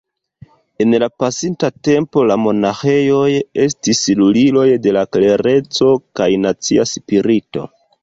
En la pasinta tempo, la monaĥejoj estis luliloj de la klereco kaj nacia spirito.